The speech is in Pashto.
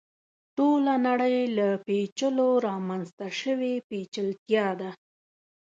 ټوله نړۍ له پېچلو رامنځته شوې پېچلتیا ده.